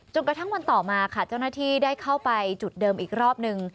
กระทั่งวันต่อมาค่ะเจ้าหน้าที่ได้เข้าไปจุดเดิมอีกรอบนึง